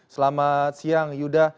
selamat siang yuda